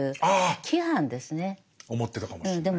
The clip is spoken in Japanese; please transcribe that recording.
思ってたかもしれない。